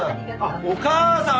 お母さん？